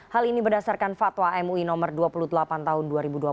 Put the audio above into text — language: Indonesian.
hal ini berdasarkan fatwa mui no dua puluh delapan tahun dua ribu dua puluh